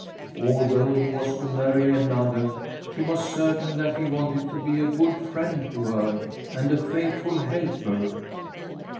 Although he was to marry another, she was certain that he wanted to be a good friend to her, and a faithful helper.